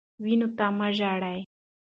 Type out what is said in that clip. وینو ته مه ژاړه.